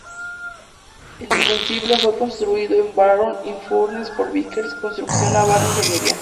El "Invincible" fue construido en Barrow-in-Furness por Vickers construcción naval e ingeniería.